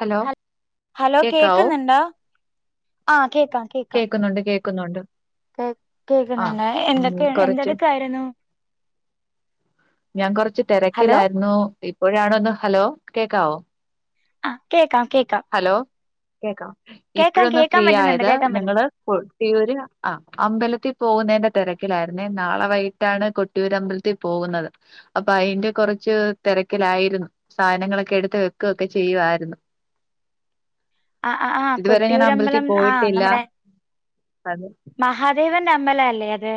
Hello hello കേക്കാവോ കേക്കുന്നുണ്ടോ ആഹ കേക്കാം കേക്കാം കേക്കുന്നുണ്ട് കേക്കുന്നുണ്ട് കേ ആ കേൾക്കുന്നുണ്ട് ഉം എന്തൊക്കെ കുറച്ച് എന്തടക്കായിരുന്നു ഞാൻ കൊറച്ച് ഹലോ തിരക്കിലായിരുന്നു ഇപ്പോഴാണോന്ന് ഹലോ കേക്കാവോ ആഹ് കേക്കാം കേക്കാം ഹലോ കേക്കാം കേക്കാം ഇപ്പോഴൊന്ന് കേക്കാൻ ഫ്രീ പറ്റുന്നുണ്ട് ആയത് കേക്കാൻ പറ്റും ഞങ്ങള് കൊട്ടിയൂര് ആ അമ്പലത്തിൽ പോകുന്നതിന്റെ തിരക്കിലായിരുന്നേ നാളെ വൈകിട്ടാണ് കൊട്ടിയൂരമ്പലത്തിൽ പോകുന്നത് അപ്പൊ അതിന്റെ കുറച്ച് കുറച്ച് തിരക്കിലായിരുന്നു സാധനങ്ങളൊക്കെ എടുത്ത് വെക്കുകൊക്കെ ചെയ്യുമായിരുന്നു ആ ആ ആഹ ഇതുവരെ ഞാൻ അമ്പലത്തിൽ കൊട്ടിയൂരമ്പലം ആഹ പോയിട്ടില്ല നമ്മുടെ അത് മഹ ദൈവന്റെ അമ്പലം അല്ലേ അത്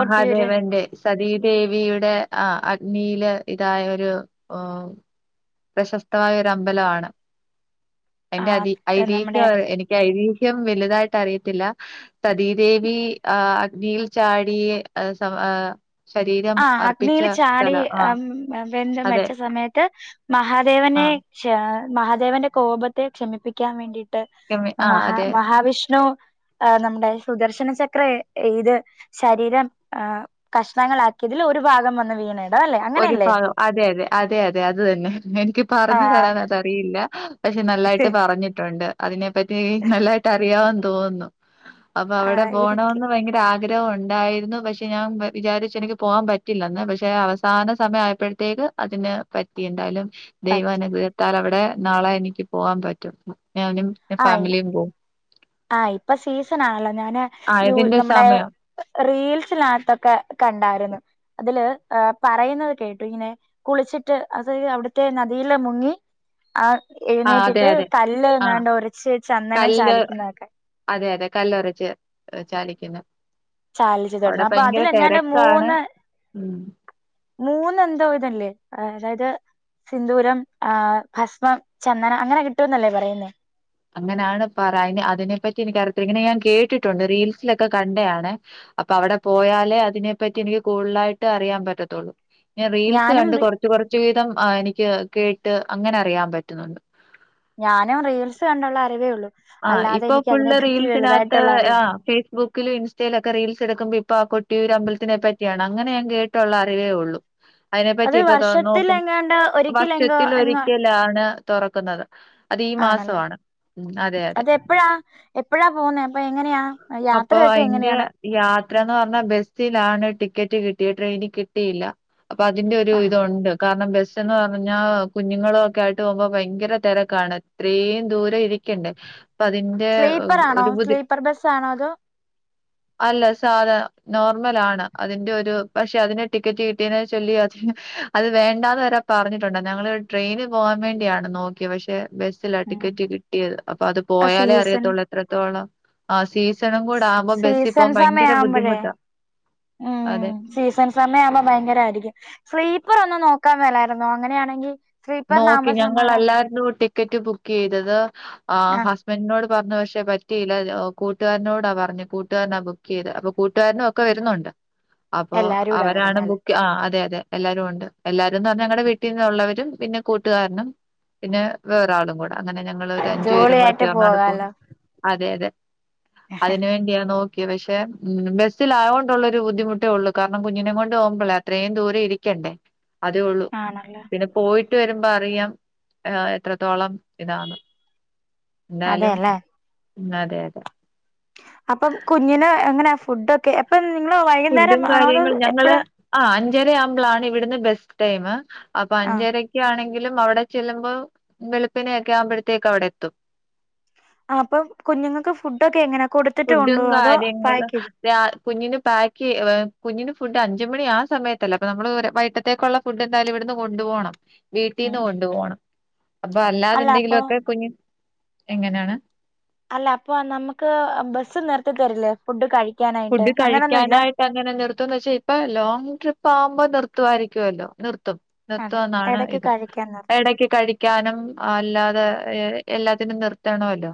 കൊട്ടിയൂര് സതീദേവിയുടെ ആ അഗ്നി വ ഇതായ ഒരു പ്രശസ്തമായ ഒരു അമ്പലമാണ് അതിന്റെ അതി ആഹ് നമ്മുടെ അഐതിീഹ്യം എനിക്ക് അഐതിീ്യം അയ്ദേഹയം വലുതായിട്ട് അറിയത്തില്ല സതീദേവി അഗ്നിയിൽ ചാടി സഹ ആഹ് അഗ്നിയിൽ ചാടി ആ ആഹ് വെന്ത് അതെ മരിച്ച സമയത്ത് മഹാദേവനെ ആഹ് മഹാദേവന്റെ കോപത്തെ ക്ഷമിപ്പിക്കാൻ വേണ്ടിയിട്ട് ക്ഷമി ആഹ് മഹാ അതെ മഹാവിഷ്ണു ആ് നമ്മുടെ സുദർശന ചക്ര ഇത് ശരീരം ആ് കഷണങ്ങളാക്കി ഇതില് ഒരു ഭാഗംവന്നു വീണരുന്നു ഒരു ഭാഗം അതെ അതെ അതെ അതെ അത് തന്നെ എനിക്ക് പറഞ്ഞു ആഹ് തരാൻ അതറിയില്ല പക്ഷെ നല്ലായിട്ട് പറഞ്ഞിട്ടുണ്ട് അതിനെ പറ്റി നല്ലായിട്ട് അറിയാവാൻ തോന്നുന്നു അപ്പൊ അവിടെ ആഹ് എനിക്ക് പോകണമന്ന് ഭയങ്കര ആഗ്രഹ ആഗ്രഹം ഉണ്ടായിരുന്നു പക്ഷെ ഞാൻ വിചരിച്ച് എനിക്ക് പോകാൻ പറ്റില്ലെന്ന് പക്ഷെ അവ സഥാന സമയം ആയപ്പോഴത്തേക്ക് അതിനെ പറ്റി എന്തായാലും പറ്റി ദൈവനുഗ്രഹത്താൽ അവിടെ ഇടെ നാളെ എനിക്ക് പോവാൻ പറ്റും ഞാനും ആഹ് ഫാമിലിയും പോകവും ആഹ് ഇപ്പൊ സീസൺ ആണല്ലോ ഞാന് ആ ഇതിന്റെ നമ്മുടെ സമയം റീൽ മനസിലകത്തൊക്കെ കണ്ടായിരുന്നു അതില് പറയുന്നത് കേട്ടു ഇങ്ങനെ കുളിച്ചിട്ട് അവിടുത്തെ നദിയില് മുങ്ങി ആ ആ അതെ എഴുന്നേറ്റിട്ട് അതെ. കല്ല് ആ എങ്ങാണ്ട് ഒരച്ച് ചന്ദനം കല്ല് ചാലിക്കുന്നത് അതെ അതെ കല്ലൊരച്ച് ചാലിക്കുന്നത് ചാലിച്ചു തൊടുന്ന അപ്പൊ അതിൽ എന്താണ്ട് തെരക്കാണ്. മൂന്ന് ഉം. മൂന്ന് എന്തോ ഇതല്ലേ അതായത് സിന്ദൂരം ആ ഭസ്മം ചന്ദനം അങ്ങനെ കിട്ടുന്നല്ലേ പറയുന്നേ അങ്ങനെയാണ് പറ അതിനെപ്പറ്റി എനിക്കറിയത്തില്ല ഇങ്ങനെ ഞാൻ കേട്ടിട്ടുണ്ട് റീൽസിലൊക്കെ കണ്ടയാണ് അപ്പൊ അവിടെ പോയാലേ അതിനെപ്പറ്റി എനിക്ക് കൂടുതലായിട്ട് അറിയാൻ പറ്റത്തൊള്ളൂ ഞാൻ റീൽസ് ഞാനും കണ്ട് റി കൊറച്ച് കൊറച്ച് [unintelligible] എനിക്ക് കേട്ട് അങ്ങനെ അറിയാൻ പറ്റുന്നൊണ്ട് ഞാനും റീൽസ് കണ്ടുള്ള അറിവേയുള്ളൂ ആ ഇപ്പൊ ഫുള്ള് റീൽസിനകത്ത് അറിവ് ആ് ഫേസ്ബുക്കിലും ഇൻസ്റ്റയിലൊക്കെ റീൽസ് എടുക്കുമ്പോ ഇപ്പോ ഇപ്പ ആ കൊട്ടിയൂര് അമ്പലത്തിനെ പറ്റിയാണ് അങ്ങനെ ഞാൻ കേട്ടുള്ള അറിവേ ഒള്ളു അതിനെപ്പറ്റി അത് ഇപ്പൊ തോന്നുന്നു ഇപ്പൊ വർഷത്തിലെങ്ങാണ്ട് ഒരിക്കലെങ്കോ വർഷത്തിൽ എങ്ങോ ഒരിക്കലാണ് തൊറക്കുന്നത് അത് ഈ മാസവാണ് അതെപ്പോഴാ എപ്പഴാ പോന്നേ അപ്പൊ എങ്ങനെയാ അപ്പൊ യാത്രയൊക്കെ അയിന്റെ എങ്ങനെയാണ് യാത്രാന്ന് പറഞ്ഞാ ബസ്സിലാണ് ടിക്കറ്റ് കിട്ടിട്ടേ ട്രെയിനിൽ കിട്ടിയില്ല അപ്പതിന്റെ ആ ഒരിത്തൊണ്ടു കാരണം ന്ന് പറഞ്ഞാ കുഞ്ഞുങ്ങളും ഒക്കെ ആയിട്ട് പോമ്പോ ഭയങ്കര തെരക്കാണ് ഇത്രയും ദൂരം ഇരിക്ക ഒക്കെയുണ്ട് അപ്പതിന്റെ സ്ലീപ്പർ ആണോ ഒരു ബുധി സ്ലീപ്പർ ബസ് ആണോ അതോ അല്ല സാധാ നോർമലാണ് അതിന്റെ ഒരു പക്ഷെ അതിന്റെ ടിക്കറ്റ് കിട്ടിയതിനെ ചൊല്ലി അത് വേണ്ടാന്ന് വരെ പറഞ്ഞിടട്ടൊണ്ട് ഞങ്ങള് ട്രെയിന് പോവാൻ വേണ്ടിയാണ് നോക്കിയേ പക്ഷെ ബസ്സിലാ ഉം. ടിക്കറ്റ് കിട്ടിയത് അപ്പൊ അത് ആ പോയാലേ സീസൺ അറിയത്തൊള്ളൂ എത്രത്തോളം ആ സീസൺ. സീസൺ സമയമാവുമ്പോഴേ. ബുദ്ധിമുട്ടാ. ഉം അതെ സീസൺ സമയമാകുമ്പോ ഭയങ്കരായിരിക്കും. [unintelligible] ഓരോന്ന് നോക്കാൻ മേലായിരുന്നോ, അങ്ങനെയാണെങ്കിൽ. നോക്കി ഞങ്ങളല്ലായിരിന്നു ടിക്കറ്റ് ബുക്ക് ചെയ്തത് ആഹ് ഹസ്ബൻഡിനോട്. പറഞ്ഞു പക്ഷെ പറ്റിയില്ല കൂട്ടുകാരനോടാ പറഞ്ഞേ കൂട്ടുകാരനാ ബുക്ക് ചെയ്തെ, അപ്പൊ കൂട്ടുകാരനും ഒക്കെ വരുന്നുണ്ട്. അപ്പൊ എല്ലാരും കൂടാ അവരാണ് വരുന്നല്ലേ ബുക്ക് ആഹ് അതെ അതെ. എല്ലാരും ഒണ്ട് എല്ലാരുന്ന് പറഞ്ഞാ ഞങ്ങടെ വീട്ടിന്നുള്ളവരും. പിന്നെ കൂട്ടുകാരനും പിന്നെ വേറൊരാളും കൂടെ. അങ്ങനെ ഞങ്ങളൊരു അഞ്ചു പേരും കൂടെ ജോളിയായിട്ട് ചേർന്നാണ് പോന്ന്, പോകാലോ അതെ അതെ. അതിന് വേണ്ടിയ നോക്ക ക്കി പക്ഷേ ഉം ബസ്സിലായോണ്ടുള്ള ഒരു ബുദ്ധിമുട്ടയുള്ളൂ, കാരണം കുഞ്ഞിനെ കൊണ്ട് പോകുമ്പോള് അത്രയും ദൂരെ ഇരിക്കേ ണ്ടേ അതേയുള്ളൂ, ആണല്ലേ പിന്നെ പോയിട്ട് വരുമ്പോ അറിയാം എത്രത്തോളം. ഇതാണ് എന്തായാലും അതെല്ലേ ഉം അതെ അതെ. അപ്പം കുഞ്ഞിന് എങ്ങനെയാ ഫുഡൊക്കെ എപ്പ ഉം. നിങ്ങള് ഫുഡും വൈകുന്നേരം ആണോ അതോ കാര്യങ്ങളും ഞങ്ങള് എപ്പഴാ. ആ അഞ്ചര ആവുമ്പോൾ ആണ്, ഇവിടുന്ന് ബസ് ടൈമ് അപ്പൊ ആഹ് അഞ്ചരക്കാണെങ്കില്. എങ്കിലും അവിടെ ചെല്ലുമ്പോ വെളുപ്പിനെയൊക്കെ ആവുമ്പോഴത്തേക്ക് അവിടെ എത്തും. അപ്പൊ കുഞ്ഞുങ്ങൾക്ക് ഫുഡ് ഒക്കെ എങ്ങനെയാ. ഫുഡും കാര്യങ്ങളും രാ കുഞ്ഞിന് പായ്ക്ക് കുഞ്ഞിന് ഫു ഫുഡ് അഞ്ചുമണി ആ സമയത്തല്ലേ ഫുഡ്‌ അഞ്ചുമണി ആ സമയത്ത് അല്ല അപ്പൊ നമ്മള് ഒരു വൈകിട്ടത്തെക്കുള്ള ഫുഡ് എന്തായാലും ഇവിടുന്ന് കൊണ്ടുപോണം. ഉം വീട്ടീന്ന് ഉം കൊണ്ടു പോണം. അപ്പൊ അല്ല അല്ലാതെന്തെങ്കിലും അപ്പൊ ഒക്കെ കുഞ്ഞിന് എങ്ങനെയാണ്. അല്ല അപ്പൊ നമുക്ക് ബസ്സ് നിർത്തി തരില്ലേ ഫുഡ് കഴി ഫുഡ് കഴിക്കാനായിട്ട് അങ്ങനെ നിർത്തുന്ന് വെച്ചാ ഇപ്പ ലോങ് ട്രിപ്പാമ്പോ നിർ നിർത്തുവായിരിക്കുവല്ലോ. നിർത്തും അതെ നിർത്തുന്നാണ് എടക്ക് ഇത് കഴിക്കാൻ നിർത്തും ഇടയ്ക്ക് കഴിക്കാനും അല്ലാതെ. എല്ലാത്തിനും നിർത്തണോലോ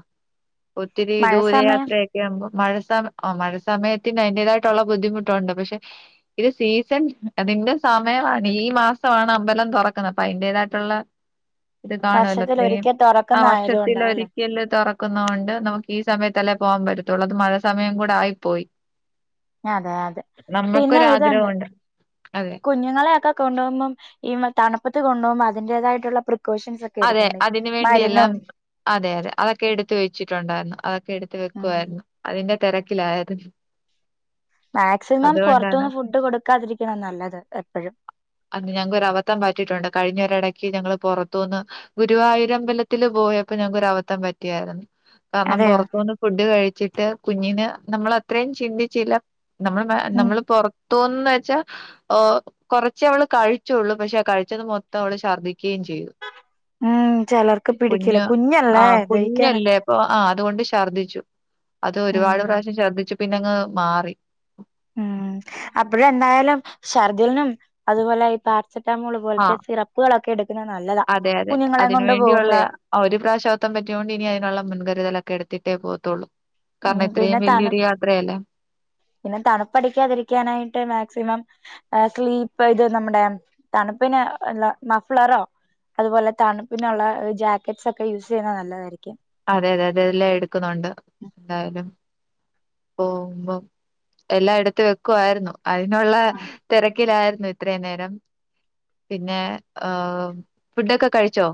ഒത്തിരി മഴ സമയം ദൂരയാത്രയൊക്കെ ആകുമ്പോ. മഴ സമ ഓ മഴ സമ സമയത്തിന് അതിന്റേതായിട്ടുള്ള ബുദ്ധിമുട്ടുണ്ട് പക്ഷെ ഇത് സീസൺ അതിന്റെ സമയമാണ് ഈ ഈ മാസമാണ് അമ്പലം തുറക്കുന്നത് അപ്പൊ അതിന്റേതായിട്ടുള്ള ഇത് കാണുവല്ലോ വർഷത്തിൽ അത്രയും ഒരിക്കൽ ആ തുറക്കുന്ന വർഷത്തിൽ ആയതുകൊണ്ടാ അല്ലേ ഒരിക്കലെ തോറ ക്കുന്ന കൊണ്ട് നമുക്ക് ഈ സമയത്തല്ലേ പോകാൻ പറ്റത്തുള്ളൂ അത് മഴ സമയം കൂടെ ആയി പോയി അതെ അതെ പിന്നെ ഇതുണ്ട് അതെ കുഞ്ഞുങ്ങളെയൊക്കെ കൊണ്ടുപോകുമ്പം ഈ തണുപ്പത്ത് കൊണ്ടപോകുമ്പോ അന്റേതായിട്ടുള്ള പ്രെ അതെ അതിനു വേണ്ടിയെല്ലാം അതെ അതെ അതൊക്കെ എടുത്ത് വെച്ചിട്ടുണ്ടായിരുന്നു അതൊക്കെ എടുത്ത് വെക്കുവായിരുന്നു അതിന്റെ തിരക്കിലായിരുന്നു മാക്സിമം അതുകൊണ്ടാണ് പുറത്തൊന്നു ഫുഡ് കൊടുക്കാതിരിക്കണം നല്ലത് എപ്പഴും അത് ഞങ്ങക്ക് ഒരു അബദ്ധം പറ്റിയിട്ടുണ്ട് കഴിഞ്ഞോരിടക്ക് ഇടക് പുറത്തുന്ന് ഗുരുവായൂരമ്പലത്തിൽ പോയപ്പോ ഞങ്ങൾക് ഒരു അബദ്ധം പറ്റിയായിരുന്നു കാരണം അതെയോ പൊറത്തുനിന്ന് ഫുഡ് കഴിച്ചിട്ട് കുഞ്ഞിന് നമ്മള് അത്രയും ചിന്തിച്ചില്ല നമ്മൾ മേ ഉം നമ്മള് പൊറ തോന്നുന്നേ വേച്ചാൽ ഓ കുറച് അവള് കഴിച്ചുള്ളൂ പക്ഷെ ആ കഴിച്ചത് മൊത്തം അവള് ശർദ്ദിക്കുകയും ചെയ്തു ഉം ചിലർക്ക് [unintelligible] പിടിക്കില്ല കുഞ്ഞു ആ കുഞ്ഞല്ലേ ദഹിക്കാന കുഞ്ഞല്ലേ അപ്പൊ ആ അതുകൊണ്ട് ഛർദ്ദിച്ചു അത് ഉം ഒരുപാട് പ്രാവശ്യം ശർദ്ദിച്ച് പിന്നെ അങ്ങ് മാറി ഉം അപ്പോഴ എന്തായാലും ശർദിലിനും അതുപോലെ പാരസെറ്റമോൾ പോലത്തെ ആഹ്. സിറപ്പുകളൊക്കെ എടുക്കുന്നെ നല്ലതാ അതെ, അതെ. കുഞ്ഞുങ്ങളെ കൊണ്ട് പോകുമ്പോഴേ പറ്റിയൊണ്ട് ഇനി അതിനുള്ള മുൻകരുതലൊക്കെ എടുത്തിട്ടേ പോകത്തോള്ളൂ കാരണം ഉം ഇത്രയും പിന്നെ തണു വലിയൊരു യാത്രയല്ലേ പിന്നെ തണുപ്പടിക്കാതിരിക്കാനായിട്ട് മാക്സിമം അഹ് സ്ലീപ്പ് ഇത് നമ്മുടെ തണുപ്പിനൊള്ള മഫ്ലറോ അതുപോലെ തണുപ്പിനുള്ള ജാക്കറ്റ്സ് ഒക്കെ യൂസ് ചെയ്യുന്ന നല്ലതായിരിക്കും അതെ അതെ അതെല്ലാം എടുക്കുന്നുണ്ട് എന്തായാലും പോകുമ്പം എല്ലായെടുത്തു വെക്കുവായിരുന്നു അതിനുള്ള തിരക്ക് കിലായിരുന്നു ഇത്രേം നേരം പിന്നെ അഹ് ഫുഡൊക്കെ കഴിച്ചോ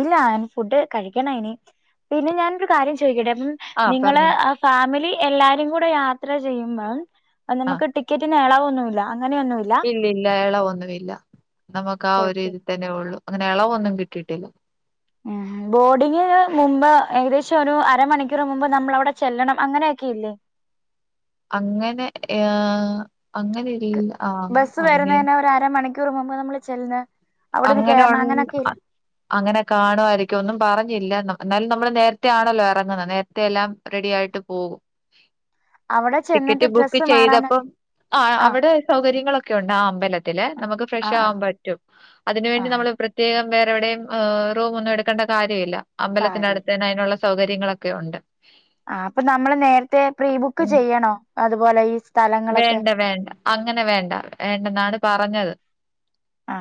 ഇല്ല നി ഫുഡ് കഴിക്കണം ഇനി പിന്നെ ഞാനൊരു കാര്യം ചോദിക്കട്ടെ ആഹ് നിങ്ങള് പറഞ്ഞോ. ഫാമിലി എല്ലാരും കൂടെ യാത്ര ചെയ്യുമ്പം നിങ്ങക്ക് ടിക്കറ്റ് എളാവോന്നുവില്ല അന്ന് ഇല്ല ഇല്ല ഇളവൊന്നും ഇല്ല നമക്ക് ആഹ് ഒരു ഓക്കെ ഇതിൽ തനേ ഉള്ളു അങ്ങനെ ഇളവൊന്നും കിട്ടിട്ടില്ല ബോർഡിങ്ന് മുമ്പ് ഏകദേശം ഒരു അരമണിക്കൂർ മുമ്പ് നമ്മൾ അവിടെ ചെല്ലണം അങ്ങനെയൊക്കെ ഇല്ലേ അങ്ങനെ ഏഹ് അങ്ങനെയില്ല ബസ്സ് വരുന്നെൻ ഒരു അരമണിക്കൂർ മുമ്പ് നമ്മൾ ചെല്ല് അങ്ങനോണ് അ അങ്ങനെ കാണുവായിരിക്കും ഒന്നും പറഞ്ഞില്ല ന എന്നാലും നമ്മള് നേരത്തെ ആണല്ലോ ഇറങ്ങുന്നത് നേരത്തെ എല്ലാം റെഡി ആയിട്ട് പോകും അവിടെ ടിക്കറ്റ് ചെന്നിട്ട് ബുക്ക് ഡ്രസ്സ് മാറാന ചെയ്തപ്പം ആഹ് ആ അവിടെ സൗകര്യങ്ങളൊക്കെ കെയൊണ്ട് ആ അമ്പലത്തില് ആ നമുക്ക് ഫ്രഷ് ആ ആവാൻ പറ്റും അതിനു ആ ആ വേണ്ടി നമ്മൾ പ്രത്യേക പ്രേത്യേകം വേറെ എവിടെയു ഏ റൂം ഒന്നും എടുക്കേണ്ട കാര്യമില്ല അമ്പലത്തിന്റെ കാര്യ അടുത്ത അതിനുള്ള സൗകര്യങ്ങളൊക്കെ ഉണ്ട് ആ അപ്പൊ നമ്മള് നേരത്തെ പ്രീബുക്ക് ഉം ചെയ്യണോ അതുപോലെ ഈ സ്ഥലങ്ങളൊക്കെ വേണ്ട വേണ്ട അങ്ങനെ വേണ്ട വേണ്ടെന്നാണ് പറഞ്ഞത് ആ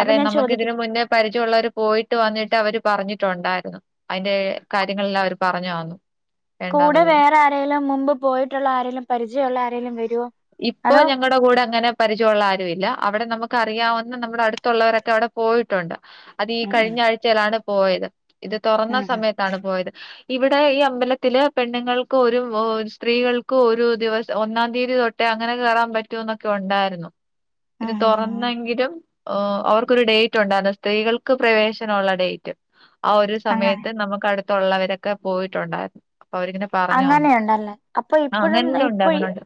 അപ്പൊ ഞാൻ നമുക്ക് ഇതിന് ചോദിക്കട്ടെ മുന്നേ പരിചയമുള്ളവർ പോയിട്ട് വന്നിട്ട് അവര് പറഞ്ഞിട്ടുണ്ടായിരുന്നു അതിന്റെ കാര്യങ്ങളെല്ലാം അവര് പറഞ്ഞു തന്നു വേണ്ടാന്ന് കൂടെ പറഞ്ഞു. വേറെ ആരേങ്കിലും മുമ്പ് പോയിട്ടുള്ള ആരെലും പരിചയുള്ള ആരെേലും വരുവോ ഇപ്പൊ അതോ ഞങ്ങടെ കൂടെ അങ്ങനെ പരിചയമുള്ള ആരുവില്ല അവിടെ നമുക്ക് അറിയാവുന്ന നമ്മുടെ അടുത്തുള്ളവരൊക്കെ അവിടെ പോയിട്ടുണ്ട് അത് ഈ ഉം ഉം കഴിഞ്ഞ ആഴ്ചയിലാണ് പോയത് ഇത് തോറന്നാ ഉം ഉം സമയത്താണ് പോയത് ഇവിടെ ഈ അമ്പലത്തില് പെണ്ണുങ്ങൾക്ക് ഒരു സ്ത്രീകൾക്കും ഒരു ദിവസം ഒന്നാം തീയതി തൊട്ട് ത്ത് അങ്ങനെ കേറാൻ പറ്റൂന്നൊക്കെ ഒണ്ടായിരുന്നു ഇത് ഉം ഉം തുറന്നെങ്കിലും. ഓ അവർക്കൊരു ഡേറ്റ് ഉണ്ടായിരുന്നു, സ്ത്രീകൾക്ക് പ്രവേശനമുള്ള ഡേറ്റ്. ആ ഒരു അങ്ങനെ സമയത്ത് നമുക്ക് അടുത്തുള്ളവരൊക്കെ പോയിട്ടുണ്ടായിരുന്നു. അവരിങ്ങനെ പറഞ്ഞു തന്നു. അങ്ങനെയുണ്ടല്ലേ അപ്പൊ ആ ഇപ്പഴും അങ്ങനെല്ലാം ഉണ്ട് ഇപ്പൊ ഈ. അങ്ങനുണ്ട്.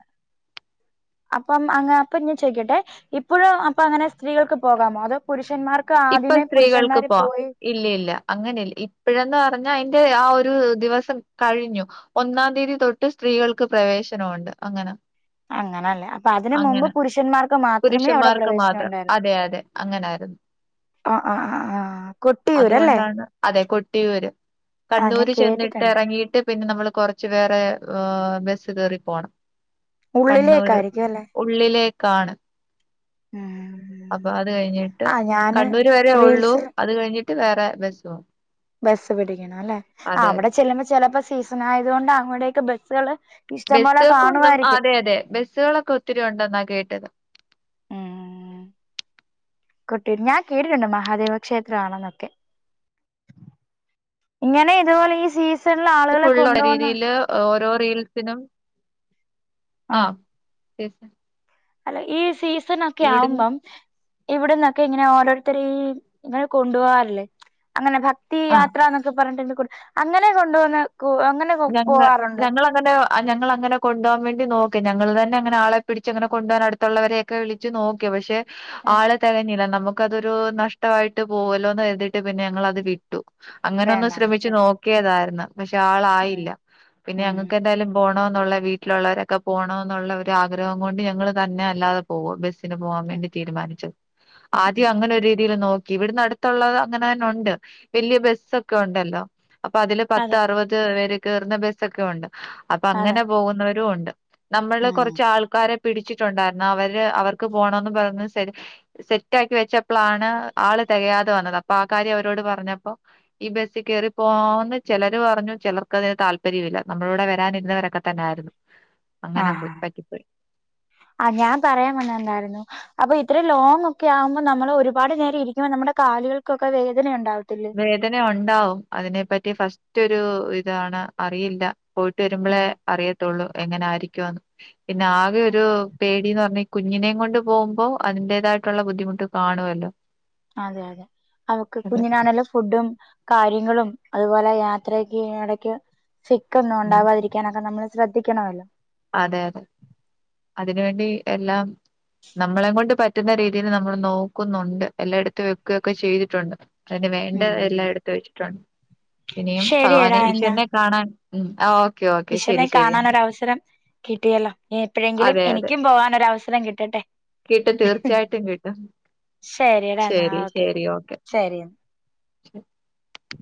അപ്പം അങ്ങ് അപ്പൊ ഞാൻ ചോദിക്കട്ടെ ഇപ്പോഴും അപ്പൊ അങ്ങനെ സ്ത്രീകൾക്ക് പോകാമോ അതോ പുരുഷ ഇപ്പൊ സ്ത്രീകൾക്ക് പോവാം, ഇല്ലില്ല അങ്ങനെയില്ല ഇപ്പോഴെന്ന പറഞ്ഞാൽ. ട്ട് ആ ഒരു ദിവസം കഴിഞ്ഞൂ, ഒന്നാം തീയതി തൊട്ട് സ്ത്രീകൾക്ക് പ്രവേശനമുണ്ട് അങ്ങനെ. അങ്ങനല്ലേ അപ്പൊ അതിന് മുമ്പ് അങ്ങനെ പുരുഷന്മാർക്ക് മാത്രമേ അവിടെ പുരുഷന്മാർക്ക് പ്രവേശനം മാത്രം അതെ അതെ അങ്ങനെ. രുന്നു ആഹ് ആഹ് ആഹ് ആഹ് അതുകൊണ്ടാണ് അതെ കൊട്ടിയൂര്. ആ ഞാൻ കണ്ണൂര് ചെന്നിട്ട് കേട്ടിട്ടുണ്ട് ഇറങ്ങിയിട്ട് പിന്നെ നമ്മള് കൊറച്ച് വേറെ ഏർ. ആ ബസ് കയറി പോണം, കണ്ണൂര് ഉള്ളിലേക്കായിരിക്കും അല്ലെ ഉള്ളിലേക്കാണ്. ഉം അപ്പൊ അത് കഴിഞ്ഞിട്ട് ആ ഞാന് കണ്ണൂര് വരെ ഒള്ളൂ, റീൽസിൽ അത് കഴിഞ്ഞിട്ട് വേറെ ബസ്. ബസ്സ് പിടിക്കണം അല്ലെ, അതെ അവിടെ ചെല്ലുമ്പോ ചിലപ്പോ സീസൺ ആയതുകൊണ്ട് അങ്ങടൊക്കെ ബസ്സുകള്. ഇഷ്ടംപോലെ ബസ്സുകൾക്കൊന്നും കാണുമായിരിക്കും അതെ അതെ ബസ്സുകളൊക്കെ ഒത്തിരി ഒണ്ടെന്നാ കേട്ടത്. കൊട്ടിയൂര് ഞാൻ കേട്ടിട്ടുണ്ട്, മഹാദേവ ക്ഷേത്രമാണെന്നൊക്കെ. ഇങ്ങനെ ഇതുപോലെ ഈ സീസൺ. ആഹ് ഫുള്ളും അവിടെ രീതിയില് ഓരോ. റീൽസിനും ആ ആഹ്. അല്ല ഈ സീസൺ ഒക്കെ ആവുമ്പം ഇവിടന്നൊക്കെ ഇങ്ങനെ ഓരോരുത്തര് ഇങ്ങനെ കൊണ്ടു പോവാറില്ലേ അങ്ങനെ ഭക്തി ആ യാത്ര എന്നൊക്കെ പറഞ്ഞിട്ടുണ്ട് അങ്ങനെ കൊണ്ടുവന്ന് കൂ അങ്ങനെ കെ പോവാറുണ്ടോ ആ ഞങ്ങളങ്ങനെ കൊണ്ടോവാൻ വേണ്ടി നോക്കി. ഞങ്ങള് തന്നെ അങ്ങനെ ആളെ പിടിച്ച് അടുത്തുള്ളവരെയാക്കെ വിളിച്ച് നോക്കി പക്ഷെ ഉം ആളെ തികഞ്ഞില്ലാ നമുക്കതൊരു നഷ്ടമായിട്ട് പോവൊല്ലോന്ന് കരുതീട്ട് പിന്നെ ഞങ്ങളത് വിട്ടു അങ്ങനൊന്ന് വേണ്ട വെച്ച ശ്രമിച്ചു നോക്കിയതായിരുന്നു പക്ഷെ ഉം ആളായില്ല പിന്നെ ഉം ഞങ്ങക്ക് എന്തായാലും പോ ണോന്നുള്ള വീട്ടിലുള്ളവരൊക്കെ പോണോന്നുള്ള ഒരു ആഗ്രഹം കൊണ്ട് ഞങ്ങള് തന്നെ അല്ലാതെ പോകും ബസി ന് പോവാൻ ഉം വേണ്ടി തീരുമാനിച്ചു. ഉം ആദ്യം ഉം അങ്ങനെ ഒരു രീതിയില് നോ ക്കി. ഇവിടുന്ന് അടുത്തുള്ളത് അങ്ങനെ തന്നെ ഒണ്ട് വലിയ ബസ്സൊക്കെ ഉണ്ടല്ലോ അപ്പൊ അതില് പത്ത് അതെ അറുപത് പേര് കേറുന്ന ബസ്സൊക്കെ ഉണ്ട് അപ്പൊ അതെ അങ്ങനെ പോകുന്നവരും ഉൻ നമ്മള് ഉം കുറച്ച് ആൾക്കാരെ പിടിച്ചിട്ടുണ്ടായിരുന്നു. അവര് അവർക്ക് പോണോന്ന് പറഞ്ഞ് സെറ്റ് സെറ്റാക്കി വെച്ചപ്പളാണ് ആള് തികയാതെ വന്നത് അപ്പൊ ആ കാര്യം അവരോട് പറഞ്ഞപ്പോ ഈ ബസ്സി കയറി പോവാന്ന് ചെലര് പറഞ്ഞു ചിലർ ക്കതിന് താല്പര്യവില്ലാ. നമ്മളൂടെ വരാനിരുന്നവരൊക്കെ തന്നായിരുന്നു ആ ആ ഞാൻ പറയാൻ വന്നത് എന്തായിരുന്നൂ അപ്പൊ ഇത്ര ലോങ് ഒക്കെ ആകുമ്പോ നമ്മള് ഒരുപാട് നേരം ഇരിക്കുമ്പോ നമ്മുടെ കാലുകൾക്കൊക്കെ വേദന ഇണ്ടാവു വേദന ഒണ്ടാവും അതിനെപ്പറ്റി ഫസ്റ്റ് ഒരു ഇതാണ് അറിയില്ലാ പോയിട്ട് ഉം വരുമ്പളേ ആ അറിയത്തുള്ളൂ എങ്ങനെ ആയിരിക്കുമെന്ന് പിന്നെ ആകെ ഒരു പേടീന്ന് പറഞ്ഞാ ഈ കു ഞ്ഞിനേയും കൊണ്ട് പോകുമ്പോ അതിന്റേതായിട്ടുള്ള ബുദ്ധിമുട്ട് കാണുവല്ലോ അതെ അതെ അവക്ക് അതെ. കുഞ്ഞിനാണേലും ഫുഡും കാര്യങ്ങളും അതുപോലെ യാത്രയ്ക്ക് ഇങ്ങനെ ഇടക്ക് സിക്ക് ഒന്നും ഉം. ഒണ്ടാവാതിരിക്കാനൊക്കെ നമ്മള് ശ്രദ്ധിക്കണവല്ലോ അതെ അതെ അതിനുവേണ്ടി എല്ലാം നമ്മളെ കൊണ്ട് പറ്റുന്ന രീതിയില് നമ്മള് നോക്കുന്നുണ്ട് എല്ലാം എടുത്തും വെക്കുകയൊക്കെ ചെയ്തിട്ടുണ്ട് അതിന് വേണ്ട എല്ലാം ഉം എടുത്ത് വെച്ചിട്ടുണ്ട് ഇനിയും ഭഗവാനെ ശരിയടാ എന്നാ ഈശ്വരനെ കാണാൻ ഉം ആ ഓ ഈശ്വരനെ കാണാനൊരവസരം കിട്ടിയല്ലോ ഇനിഎപ്പഴെങ്കിലും അതെ അതെ. എനിക്കും പോവാനൊരവസരം കിട്ടട്ടെ കിട്ടും തീർച്ചയായിട്ടും കിട്ടും. ശരിടാ എന്നാ ശരി ഓക്കെ ശരി ശരി എന്ന [unintelligible] ഉ